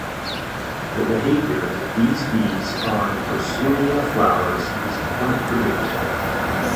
The behaviour of these bees on "Persoonia" flowers is quite predictable.